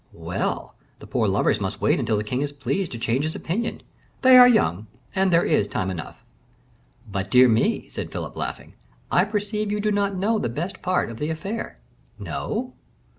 "Well! the poor lovers must wait until the king is pleased to change his opinion; they are young, and there is time enough." "But, dear me," said Philip, laughing, "I perceive you do not know the best part of the affair." "No!"